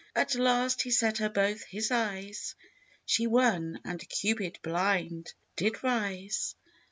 At last he set her both his eyes. She won, and Cupid blind did rise.